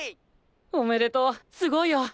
おめでとうすごいよ！